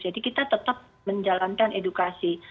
jadi kita tetap menjalankan edukasi